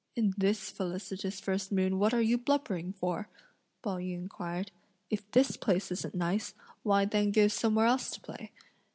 "In this felicitous first moon what are you blubbering for?" Pao yü inquired, "if this place isn't nice, why then go somewhere else to play.